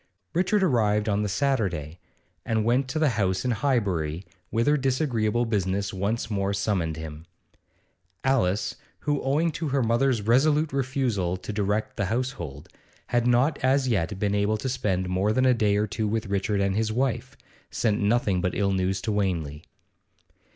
Richard arrived in town on the Saturday, and went to the house in Highbury, whither disagreeable business once more summoned him. Alice, who, owing to her mother's resolute refusal to direct the household, had not as yet been able to spend more than a day or two with Richard and his wife, sent nothing but ill news to Wanley.